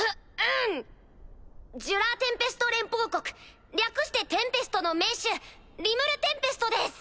ジュラ・テンペスト連邦国略してテンペストの盟主リムル・テンペストです！